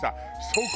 そこ